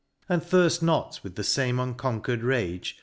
— And thirft not with the fame unconquer'd rage.